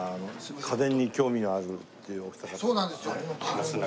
家電に興味があるっていうお二方。